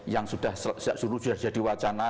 yang sudah jadi wacana